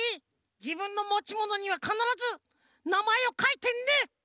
じぶんのもちものにはかならずなまえをかいてね！